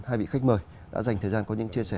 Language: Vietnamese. hai vị khách mời đã dành thời gian có những chia sẻ